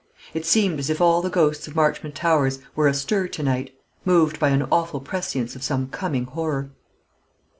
It seemed as if all the ghosts of Marchmont Towers were astir to night, moved by an awful prescience of some coming horror.